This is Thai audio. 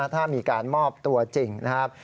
ถ้ามีการมอบตัวจริงนะครับ